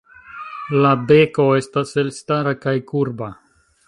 La beko estas elstara kaj kurba.